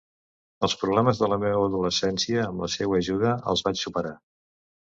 Els problemes de la meua adolescència, amb la seua ajuda, els vaig superar.